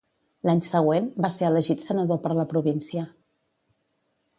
L'any següent, va ser elegit senador per la província.